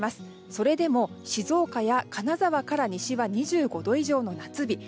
それでも静岡から金沢から西は２５度以上の夏日。